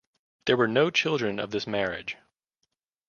There were no children of this marriage.